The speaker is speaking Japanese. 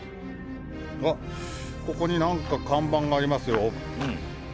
あっここに何か看板がありますよ。